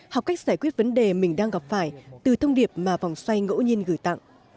học cách giải quyết vấn đề mình đang gặp phải từ thông điệp mà vòng xoay ngẫu nhiên gửi tặng